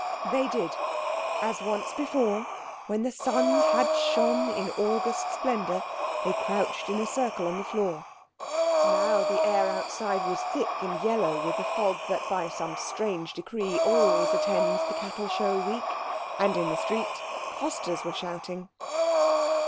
They did. As once before, when the sun had shone in August splendour, they crouched in a circle on the floor. Now the air outside was thick and yellow with the fog that by some strange decree always attends the Cattle Show week. And in the street costers were shouting.